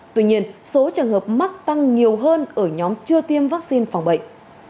tuy nhiên số trường hợp mắc tăng nhiều hơn ở nhóm chưa tiêm vaccine phòng bệnh